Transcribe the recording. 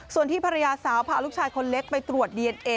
ส่วนที่ภรรยาสาวพาลูกชายคนเล็กไปตรวจดีเอนเอ